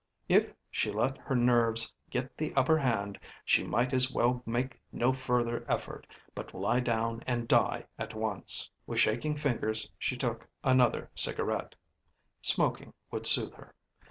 If she let her nerves get the upper hand she might as well make no further effort, but lie down and die at once. With shaking fingers she took another cigarette; smoking would soothe her.